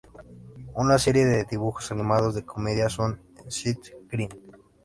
Una serie de dibujos animados de comedia con Seth Green.